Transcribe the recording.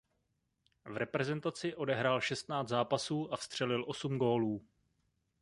V reprezentaci odehrál šestnáct zápasů a vstřelil osm gólů.